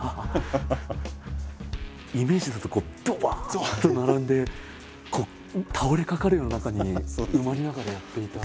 イメージだとこうどばっと並んで倒れかかるような中に埋まりながらやっていた。